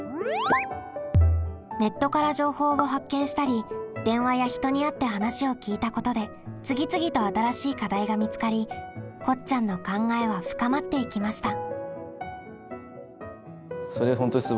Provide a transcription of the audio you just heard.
ネットから情報を発見したり電話や人に会って話を聞いたことで次々と新しい課題が見つかりこっちゃんの考えは深まっていきました。